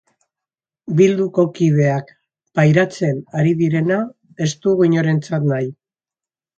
Bilduko kideak pairatzen ari direna ez dugu inorentzat nahi.